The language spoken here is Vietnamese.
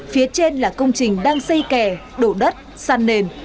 phía trên là công trình đang xây kè đổ đất săn nền